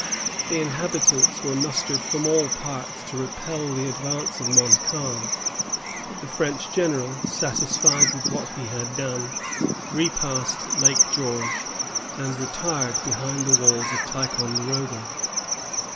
The inhabitants were mustered from all parts to repel the advance of Montcalm; but the French general, satisfied with what he had done, repassed Lake George, and retired behind the walls of Ticonderoga.